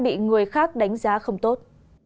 bị người khác đánh giá không tốt